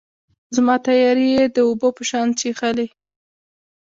زما تیارې یې د اوبو په شان چیښلي